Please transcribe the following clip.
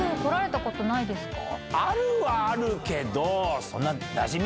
あるはあるけど。